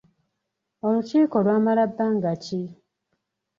Olukiiko lwamala bbanga ki?